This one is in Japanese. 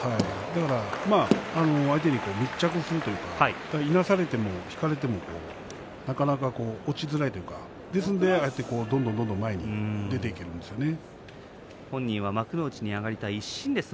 相手に密着するというかいなされても引かれてもなかなか落ちづらいというかですからどんどんどんどん前に出ていけるわけですね。